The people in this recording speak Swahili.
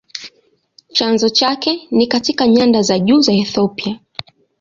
Chanzo chake ni katika nyanda za juu za Ethiopia.